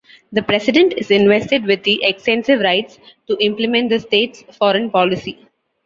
The President is invested with extensive rights to implement the state's foreign policy.